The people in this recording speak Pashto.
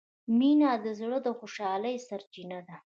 مینه د زړه د خوشحالۍ سرچینه ده.